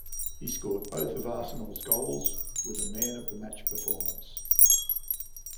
He scored both of Arsenal's goals with a Man of the Match performance.